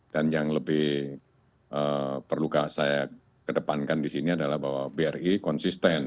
dan yang lebih perlu saya kedepankan di sini adalah bahwa bri konsisten